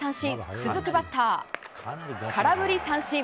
続くバッター空振り三振。